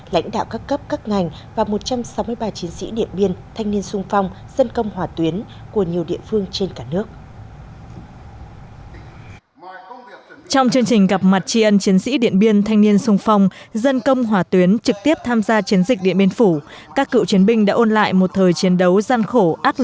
lãnh đạo các cấp các ngành và một trăm sáu mươi ba chiến sĩ điện biên thanh niên sung phong dân công hỏa tuyến của nhiều địa phương trên cả nước